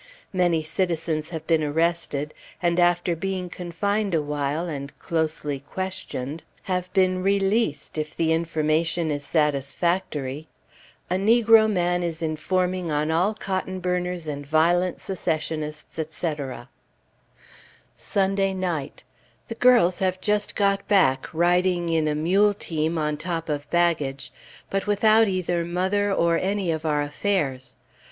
Many citizens have been arrested, and after being confined a while, and closely questioned, have been released, if the information is satisfactory. A negro man is informing on all cotton burners and violent Secessionists, etc. Sunday night. The girls have just got back, riding in a mule team, on top of baggage, but without either mother or any of our affairs.